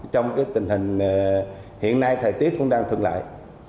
trong cái tình hình hiện nay thời tiết cũng đang thương lại